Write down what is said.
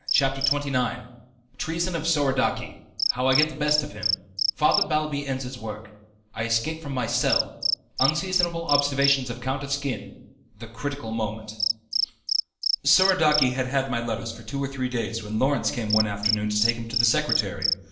CHAPTER XXIX Treason of Soradaci How I Get the Best of Him Father Balbi Ends His Work I Escape from My Cell Unseasonable Observations of Count Asquin The Critical Moment Soradaci had had my letters for two or three days when Lawrence came one afternoon to take him to the secretary.